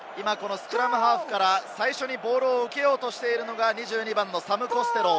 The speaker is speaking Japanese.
スクラムハーフから最初にボールを受けようとしているのが２２番のサム・コステロー。